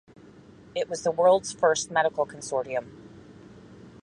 It was the world's first medical consortium.